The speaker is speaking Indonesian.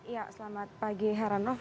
ya selamat pagi heranov